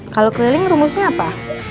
kalo keliling rumusnya apa